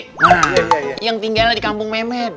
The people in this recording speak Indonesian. nah yang tinggal di kampung memet